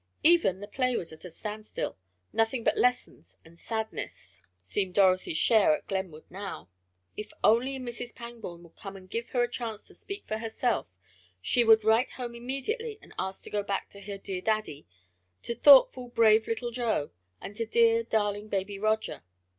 Even the play was at a standstill, nothing but lessons and sadness seemed Dorothy's share at Glenwood now. If only Mrs. Pangborn would come and give her a chance to speak for herself, she would write home immediately and ask to go back to her dear "daddy," to thoughtful, brave little Joe, and to dear, darling, baby Roger.